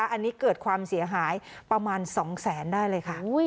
อันนี้เกิดความเสียหายประมาณ๒แสนได้เลยค่ะ